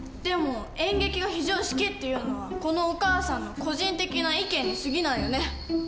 でも「演劇が非常識」っていうのはこのお母さんの個人的な意見にすぎないよね！